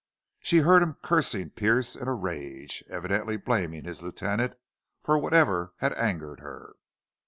She heard him cursing Pearce in a rage, evidently blaming his lieutenant for whatever had angered her.